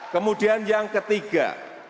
kemudian yang ketiga